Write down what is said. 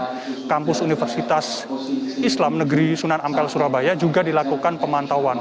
di kampus universitas islam negeri sunan ampel surabaya juga dilakukan pemantauan